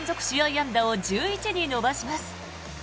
安打を１１に伸ばします。